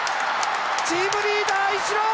チームリーダーイチロー